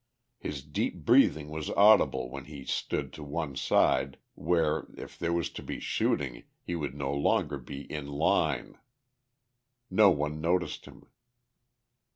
His deep breathing was audible when he stood to one side where, if there was to be shooting, he would no longer be "in line." No one noticed him.